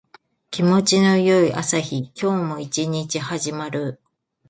気持ちの良い朝日。今日も一日始まる。